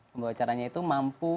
pembawacaranya itu mampu